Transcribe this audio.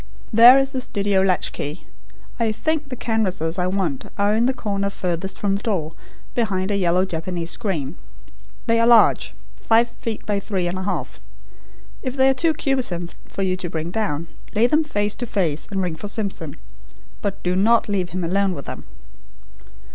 "There is the studio latch key. I think the canvases I want are in the corner furthest from the door, behind a yellow Japanese screen. They are large five feet by three and a half. If they are too cumbersome for you to bring down, lay them face to face, and ring for Simpson. But do not leave him alone with them."